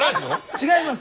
違います。